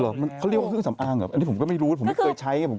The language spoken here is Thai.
เขาเรียกว่าเครื่องสำอางเหรออันนี้ผมก็ไม่รู้ผมไม่เคยใช้ผม